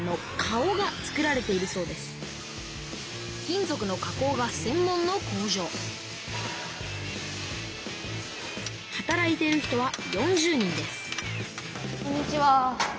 金ぞくの加工がせん門の工場働いている人は４０人ですこんにちは。